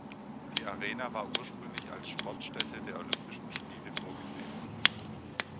Die Arena war ursprünglich als Sportstätte der Olympischen Spiele vorgesehen.